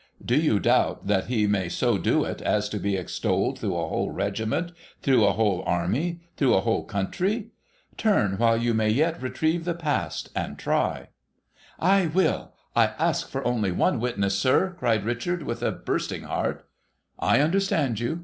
Do you doubt that he may so do it as to be extolled through a whole regiment, through a whole army, through a whole country ? Turn while you may yet retrieve the past, and try,' ' I will ! I ask for only one witness, sir,' cried Richard, with a bursting heart, ' I understand you.